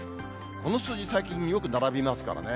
この数字、最近よく並びますからね。